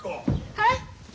はい。